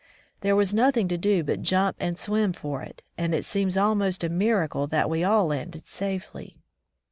There was nothing to do but jump and swim for it, and it seems almost a miracle that we all landed safely.